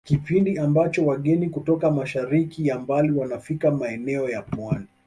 Kipindi ambacho wageni kutoka mashariki ya mbali wanafika maeneo ya Pwani